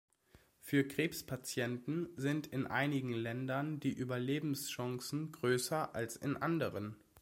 Für Krebspatienten sind in einigen Ländern die Überlebenschancen größer als in anderen.